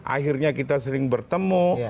akhirnya kita sering bertemu